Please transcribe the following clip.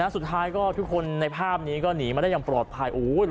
สุดท้ายก็ทุกคนในภาพนี้ก็หนีมาได้อย่างปลอดภัย